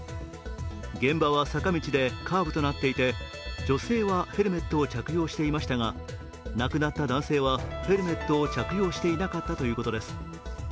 現場は坂道でカーブとなっていて女性はヘルメットを着用していましたが、亡くなった男性はヘルメットを着用していなかったということです。